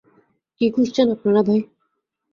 কী খুঁজছেন আপনারা, ভাই!